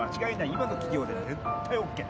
今の企業で絶対オッケー。